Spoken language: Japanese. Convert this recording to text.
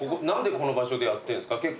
何でこの場所でやってんですか？